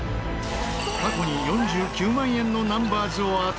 過去に４９万円のナンバーズを当てた北山。